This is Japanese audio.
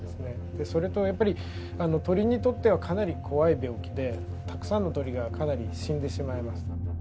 それとやっぱり鳥にとってはかなり怖い病気でたくさんの鳥がかなり死んでしまいます。